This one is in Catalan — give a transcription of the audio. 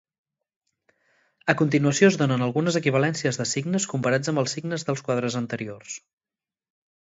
A continuació es donen algunes equivalències de signes comparats amb els signes dels quadres anteriors.